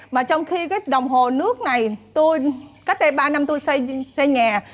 mà trong khi cái đồng hồ nước này cách đây ba năm tôi xây nhà